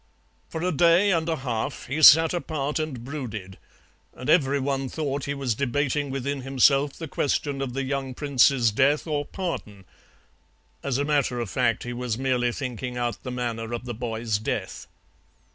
For a day and a half he sat apart and brooded, and every one thought he was debating within himself the question of the young prince's death or pardon; as a matter of fact he was merely thinking out the manner of the boy's death.